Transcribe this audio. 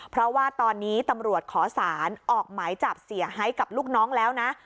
เพราะว่าตอนนี้ตำรวจขอสารออกหมายจับเสียหายกับลูกน้องแล้วนะ